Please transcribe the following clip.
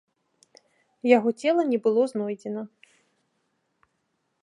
Яго цела не было знойдзена.